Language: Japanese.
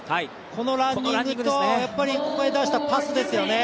このランニングとここで出したパスですよね。